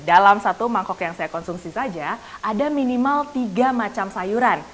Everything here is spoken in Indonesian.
dalam satu mangkok yang saya konsumsi saja ada minimal tiga macam sayuran